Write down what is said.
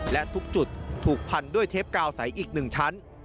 และทุกจุดถูกพันด้วยเทปกาวใสอีก๑ชั้น